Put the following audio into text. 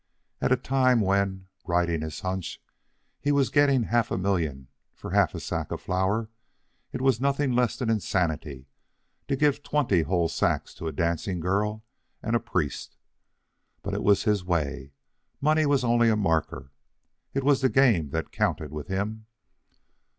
At a time when, riding his hunch, he was getting half a million for half a sack of flour, it was nothing less than insanity to give twenty whole sacks to a dancing girl and a priest. But it was his way. Money was only a marker. It was the game that counted with him.